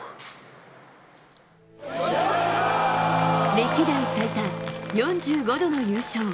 歴代最多４５度の優勝。